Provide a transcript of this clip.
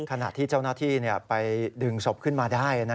ขณะที่เจ้าหน้าที่ไปดึงศพขึ้นมาได้